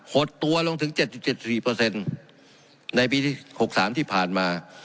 ดตัวลงถึง๗๗๔ในปี๖๓ที่ผ่านมา